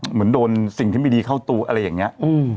เหมือนโดนสิ่งที่ไม่ดีเข้าตัวอะไรอย่างนี้